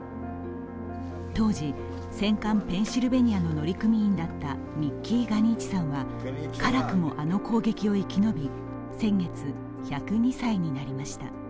当時戦艦「ペンシルベニア」の乗組員だったミッキー・ガニーチさんはからくも、あの攻撃を生き延び先月、１０２歳になりました。